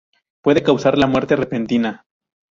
Puede causar la muerte repentina.